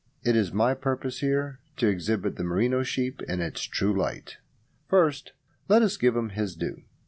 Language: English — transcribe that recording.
It is my purpose here to exhibit the merino sheep in its true light. First let us give him his due.